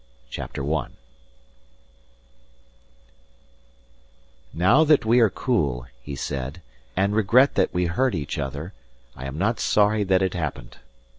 CHAPTER I Now that we are cool, he said, and regret that we hurt each other, I am not sorry that it happened.